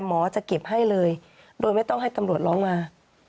หมอจะเก็บให้เลยโดยไม่ต้องให้ตำรวจร้องมา